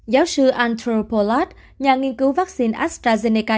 giáo sư andrew pollard nhà nghiên cứu vaccine astrazeneca